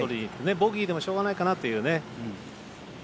ボギーでもしょうがないかなっていうね。